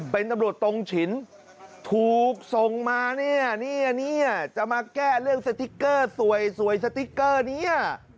เป็นตำรวจตรงฉินถูกส่งมาเนี่ยเนี่ยจะมาแก้เรื่องสติ๊กเกอร์สวยสติ๊กเกอร์เนี่ย